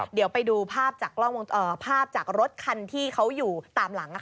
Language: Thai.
เดี๋ยวไปดูภาพจากรถคันที่เขาอยู่ตามหลัง